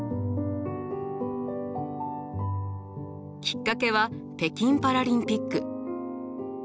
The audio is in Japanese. きっかけは北京パラリンピック。